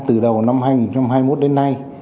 từ đầu năm hai nghìn hai mươi một đến nay